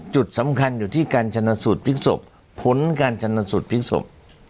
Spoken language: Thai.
จุดสำคัญอยู่ที่การชนสูตรพลิกศพผลการชนสูตรพลิกศพ